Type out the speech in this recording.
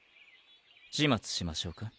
始末しましょうか？